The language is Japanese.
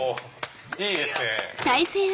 いいですね！